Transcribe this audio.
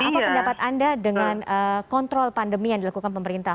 apa pendapat anda dengan kontrol pandemi yang dilakukan pemerintah